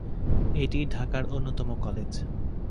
এটি ঢাকার অন্যতম কলেজ।